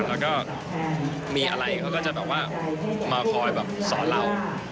แล้วก็มีอะไรเขาก็จะแบบว่ามาคอยแบบสอนเรา